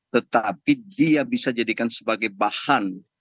tetapi dia bisa jadikan sebagai bahan